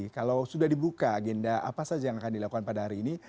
kalau sudah dibuka agenda apa saja yang akan dilakukan pada hari ini